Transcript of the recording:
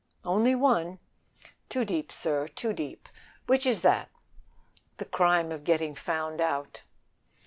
"Only one too deep, sir, too deep. Which is that?" "The crime of getting found out."